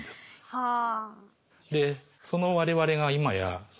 はあ。